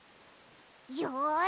よし！